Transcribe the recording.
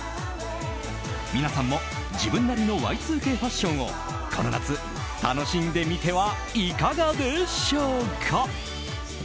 皆さんも自分なりのＹ２Ｋファッションをこの夏、楽しんでみてはいかがでしょうか？